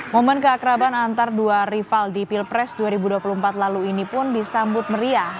momen keakraban antar dua rival di pilpres dua ribu dua puluh empat lalu ini pun disambut meriah